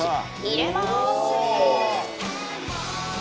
入れます！